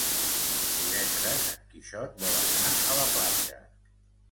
Divendres en Quixot vol anar a la platja.